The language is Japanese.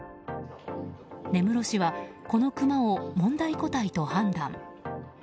根室市は、このクマを問題個体と判断。